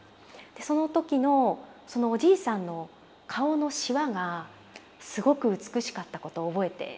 その時のそのおじいさんの顔のしわがすごく美しかったことを覚えているんですよね。